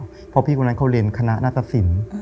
เพราะพี่คนนั้นเขาเรียนคณะนัตตสิน